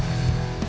gue udah berhasil